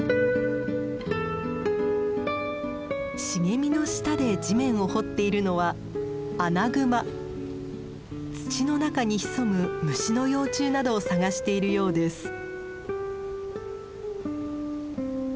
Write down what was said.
茂みの下で地面を掘っているのは土の中に潜む虫の幼虫などを探しているようです。